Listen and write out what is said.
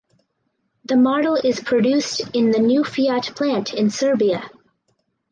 The model is produced in the new Fiat plant in Serbia.